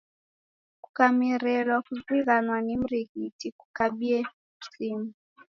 Kukamerelwa kuzighanwa ni mrighiti, kunikabie simu